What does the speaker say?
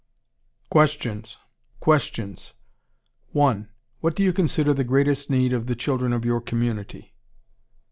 QUESTIONS 1. What do you consider the greatest need of the children of your community?